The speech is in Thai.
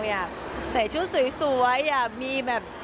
อยากใส่ชุดสวยอยากมีแบบ